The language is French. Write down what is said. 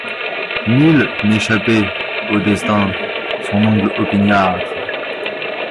Nul n'échappé au destin ; son ongle opiniâtre